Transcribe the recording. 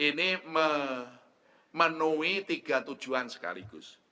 ini memenuhi tiga tujuan sekaligus